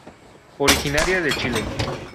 Originaria de Chile.